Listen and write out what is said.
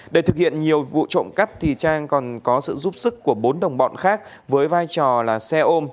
để thực hiện nhiều vụ trộm cắp trang còn có sự giúp sức của bốn đồng bọn khác với vai trò là xe ôm